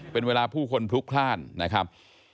เป็นเวลาผู้คนพลุกพลาดนะครับ